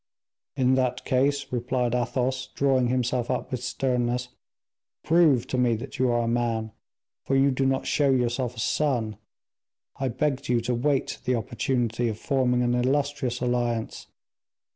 "In that case," replied Athos, drawing himself up with sternness, "prove to me that you are a man, for you do not show yourself a son. I begged you to wait the opportunity of forming an illustrious alliance.